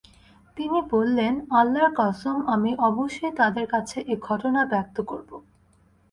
তিনি বললেন: আল্লাহর কসম! আমি অবশ্যই তাদের কাছে এ ঘটনা ব্যক্ত করব।